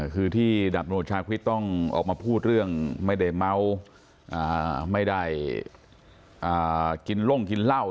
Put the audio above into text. คือที่ดาบตำรวจชาคริสต้องออกมาพูดเรื่องไม่ได้เมาไม่ได้กินล่งกินเหล้า